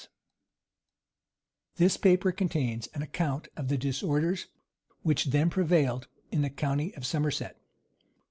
290 This paper contains an account of the disorders which then prevailed in the county of Somerset.